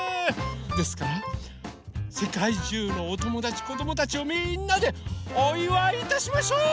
ですからせかいじゅうのおともだちこどもたちをみんなでおいわいいたしましょう！